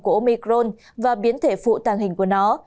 của omicron và biến thể phụ tàng hình của nó